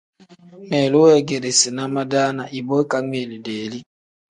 Ngmiilu weegeerina madaana ibo ikangmiili deeli.